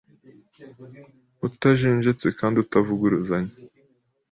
utajenjetse kandi utavuguruzanya